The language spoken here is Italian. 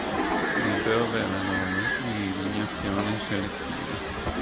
Rimprovera loro una indignazione selettiva.